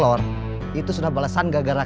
sulit ya sudah akan masuk ajak ke tai yang lebar lho